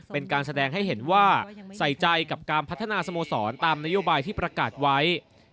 เป็นการแสดงให้เห็นว่าใส่ใจกับการพัฒนาสโมสรตามนโยบายที่ประกาศไว้